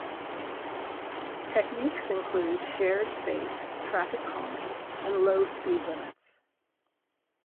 Techniques include shared space, traffic calming, and low speed limits.